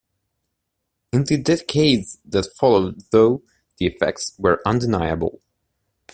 In the decades that followed, though, the effects were undeniable.